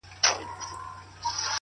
زما خو زړه دی زما ځان دی څه پردی نه دی!!